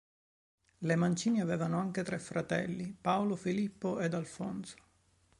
Le Mancini avevano anche tre fratelli: Paolo, Filippo ed Alfonso.